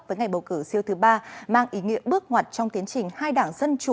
với ngày bầu cử siêu thứ ba mang ý nghĩa bước ngoặt trong tiến trình